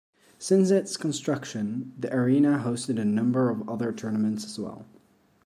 Since its construction, the arena hosted a number of other tournaments as well.